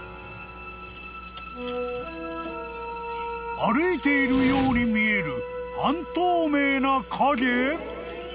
［歩いているように見える半透明な影？］